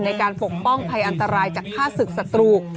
ในการปกป้องภัยอันตรายจากฆ่าศึกสตรู